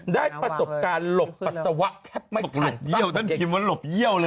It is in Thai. ได้ประสบการณ์หลบปัสสะวะแค่ไม่ทันตั้ง